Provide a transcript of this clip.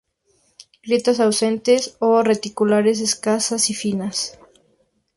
Grietas ausentes o reticulares escasas y finas.